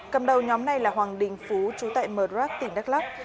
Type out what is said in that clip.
cầm đầu nhóm này là hoàng đình phú chú tại mờ rắc tỉnh đắk lóc